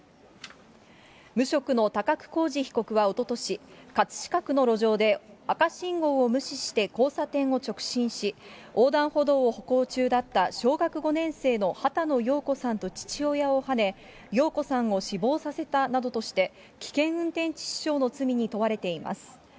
無職の高久浩二被告はおととし、葛飾区の路上で赤信号を無視して交差点を直進し、横断歩道を歩行中だった小学５年生の波多野ようこさんと父親をはね、燿子さんを死亡させたなどとして、危険運転致死傷の罪に問われています。